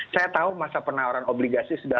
saya tahu masa penawaran obligasi sudah